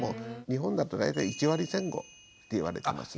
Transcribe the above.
日本だと大体１割前後って言われてますね。